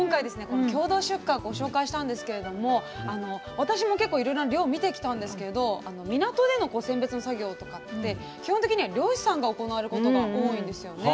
この共同出荷ご紹介したんですけれども私も結構いろいろな漁見てきたんですけど港での選別の作業とかって基本的には漁師さんが行われることが多いんですよね。